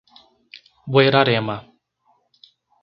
Buerarema